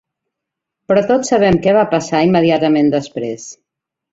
Però tots sabem què va passar immediatament després.